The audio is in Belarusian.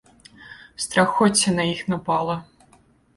Страхоцце на іх напала.